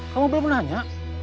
kamu belum nanya